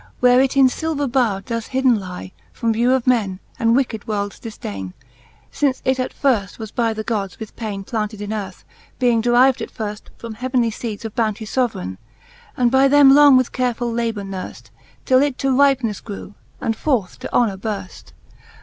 Where it in filver bowre does hidden ly From view of men, and wicked woids diidaine ; Since it at firft was by the Gods with paine Planted in earth, being deriv'd at furft From heavenly leedes of bounty foveraine, And by them long with carefuU labour nurft, Till it to ripenefle grew, and forth to honour burft.